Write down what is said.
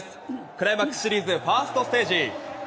クライマックスシリーズファーストステージ。